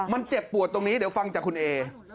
มันเจ็บปวดตรงนี้เดี๋ยวฟังจากคุณเอ